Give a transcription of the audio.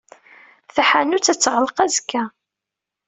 Taḥanut ad teɣleq azekka.